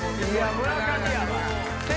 村上やわ。